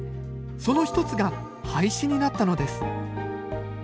その１つが廃止になったのです。